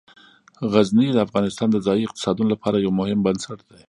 غزني د افغانستان د ځایي اقتصادونو لپاره یو مهم بنسټ دی.